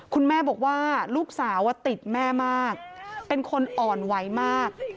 คุณแม่บอกว่าลูกสาวติดแม่มากเป็นคนอ่อนไหวมาก